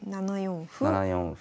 ７四歩。